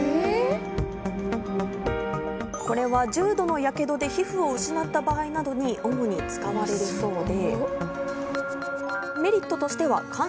これは重度のやけどで皮ふを失った場合などに主に使われるそうで。